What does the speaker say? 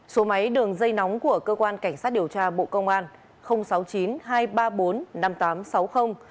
số máy đường dây nóng của cơ quan cảnh sát điều tra bộ công an sáu mươi chín hai trăm ba mươi bốn năm nghìn tám trăm sáu mươi